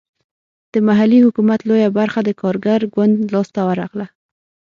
د محلي حکومت لویه برخه د کارګر ګوند لاسته ورغله.